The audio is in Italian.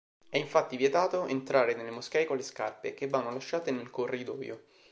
È infatti vietato entrare nelle moschee con le scarpe, che vanno lasciate nel corridoio.